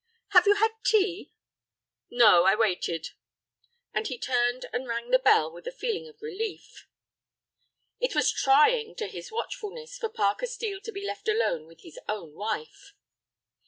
"Have you had tea?" "No, I waited," and he turned and rang the bell with a feeling of relief. It was trying to his watchfulness for Parker Steel to be left alone with his own wife.